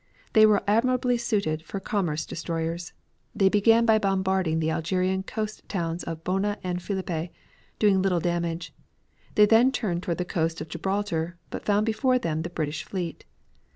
They were admirably suited for commerce destroyers. They began by bombarding the Algerian coast towns of Bona and Phillipe, doing little damage. They then turned toward the coast of Gibraltar, but found before them the British fleet.